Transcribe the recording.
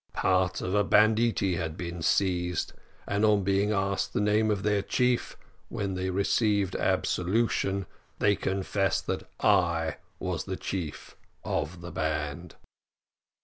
"Part of a banditti had been seized, and on being asked the name of their chief, when they received absolution, they confessed that I was the chief of the band.